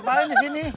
kalian ngapain di sini